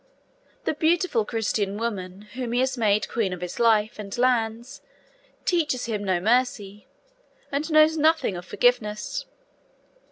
The beautiful Christian woman whom he has made queen of his life and lands teaches him no mercy, and knows nothing of forgiveness.